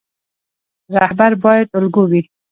رهبر باید الګو وي